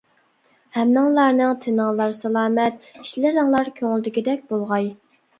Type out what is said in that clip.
ھەممىڭلارنىڭ تېنىڭلار سالامەت، ئىشلىرىڭلار كۆڭۈلدىكىدەك بولغاي.